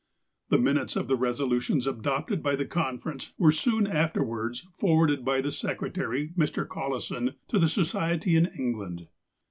The minutes of the resolutions adopted by the confer ence were soon afterwards forwarded by the secretary, Mr. Collison, to the Society in England.